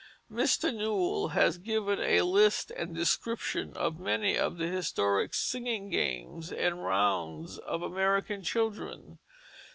Mr. Newell has given a list and description of many of the historic singing games and rounds of American children.